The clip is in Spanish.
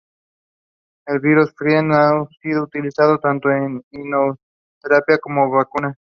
El virus de Friend ha sido utilizado tanto en inmunoterapia como en vacunas.